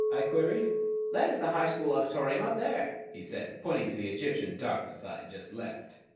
I queried. "That is the High School Auditorium up there," he said, pointing to the Egyptian darkness I had just left.